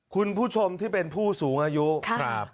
คุณผู้ชมที่เป็นผู้สูงอายุครับ